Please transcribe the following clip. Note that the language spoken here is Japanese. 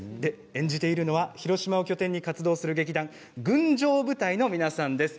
演じているのは広島を拠点に活動する劇団グンジョーブタイの皆さんです。